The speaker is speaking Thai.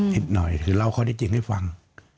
ผิดหน่อยคือเล่าข้อได้จริงให้ฟัง